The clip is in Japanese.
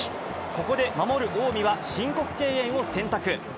ここで守る近江は申告敬遠を選択。